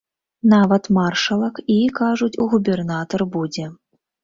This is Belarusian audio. Нават маршалак і, кажуць, губернатар будзе.